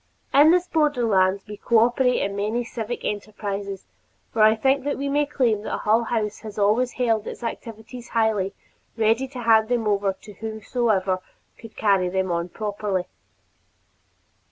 In this borderland we cooperate in many civic enterprises for I think we may claim that Hull House has always held its activities lightly, ready to hand them over to whosoever would carry them on properly.